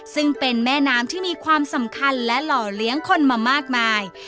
ซึ่งเป็นแม่น้ำที่มีความสำคัญและหล่อเลี้ยงคนมามากมาย